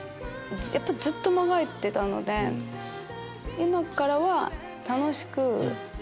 ずっともがいてたので今からは楽しく。